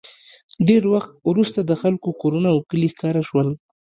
ډېر وخت وروسته د خلکو کورونه او کلي ښکاره شول